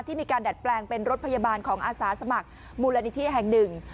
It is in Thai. มีการดัดแปลงเป็นรถพยาบาลของอาสาสมัครมูลนิธิแห่งหนึ่ง